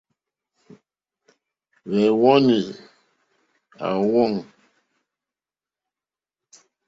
Hwɛ́wɔ́nì à ówàŋ.